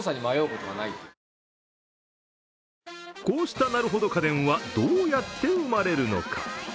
こうした、なるほど家電はどうやって生まれるのか。